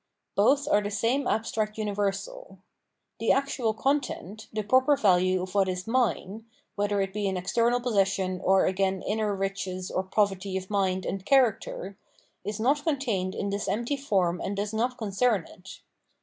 Both are the same abstract uni versal. The actual content, the proper value of what is " mine "— whether it be an external possession, or again inner riches or poverty of mind and character — ^is not contained m this empty form and does not concern it.